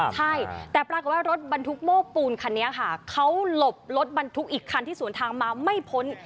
ใช่แต่ปรากฏว่ารถบรรทุกโม้ปูนคันนี้ค่ะเขาหลบรถบรรทุกอีกคันที่สวนทางมาไม่พ้น